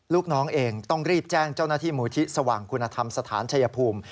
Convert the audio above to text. ลูกน้องเองต้องรีบแจ้งเจ้าหน้าที่มูลที่สว่างคุณธรรมสถานชายภูมิ